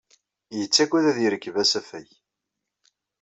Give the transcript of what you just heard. Yettagad ad yerkeb asafag.